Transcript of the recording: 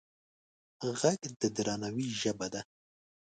غږ د درناوي ژبه ده